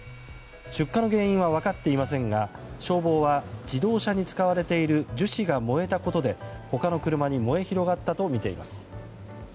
出火の原因は分かっていませんが消防は、自動車に使われている樹脂が燃えたことで他の車に燃え広がったとみています。